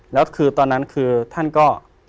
แล้วคือตอนนั้นคือท่านก็